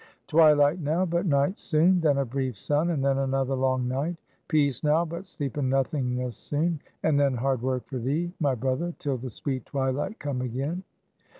"Twilight now, but night soon; then a brief sun, and then another long night. Peace now, but sleep and nothingness soon, and then hard work for thee, my brother, till the sweet twilight come again."